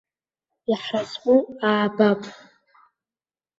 Иҳразҟу аабап.